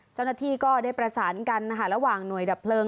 เจ้าหน้าที่ก็ได้ประสานกันนะคะระหว่างหน่วยดับเพลิง